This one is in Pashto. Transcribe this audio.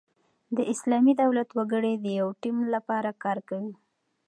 د اسلامي دولت وګړي د یوه ټیم له پاره کار کوي.